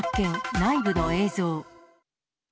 内部の映像。